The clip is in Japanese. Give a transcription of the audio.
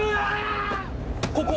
「ここ！